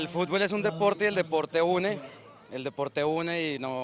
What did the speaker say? football adalah sebuah sport dan sport yang berhubungan